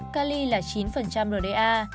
cali là chín rda